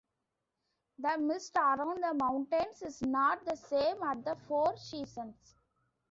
The mist around the mountains is not the same at the four seasons.